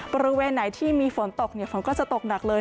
บริเวณไหนที่มีฝนตกฝนก็จะตกหนักเลย